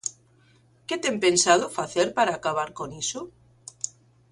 ¿Que ten pensado facer para acabar con iso?